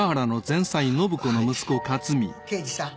刑事さん。